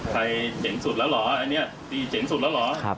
ไทยเจ็นนี่สุดแล้วเหรอ